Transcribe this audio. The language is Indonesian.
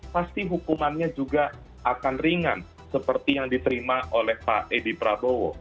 pasti hukumannya juga akan ringan seperti yang diterima oleh pak edi prabowo